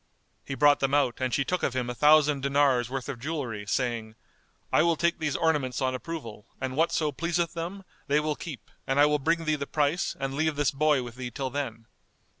He brought them out and she took of him a thousand dinars' worth of jewellery, saying, "I will take these ornaments on approval; and whatso pleaseth them, they will keep and I will bring thee the price and leave this boy with thee till then."